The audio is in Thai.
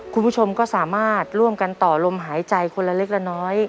คุณผู้ชมก็สามารถร่วมกันต่อลมหายใจคนละเล็กละน้อย